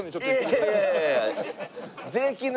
いやいやいやいや！